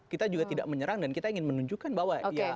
kita juga tidak menyerang dan kita ingin menunjukkan bahwa